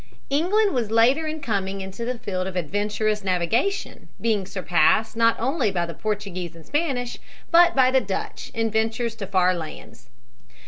England was later in coming into the field of adventurous navigation, being surpassed not only by the Portuguese and Spanish, but by the Dutch, in ventures to far lands.